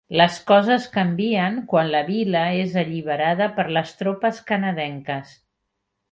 Les coses canvien quan la vila és alliberada per les tropes canadenques.